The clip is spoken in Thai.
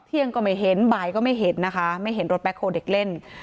เที่ยงก็ไม่เห็นบ่ายก็ไม่เห็นนะคะไม่เห็นรถแคคโฮเด็กเล่น